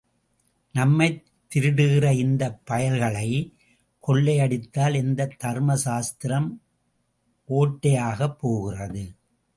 நம்மைத் திருடுகிற இந்தப் பயல்களைக் கொள்ளையடித்தால் எந்தத் தர்ம சாஸ்திரம் ஓட்டையாகப் போகிறது.